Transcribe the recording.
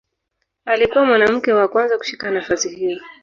Alikuwa mwanamke wa kwanza kushika nafasi hiyo.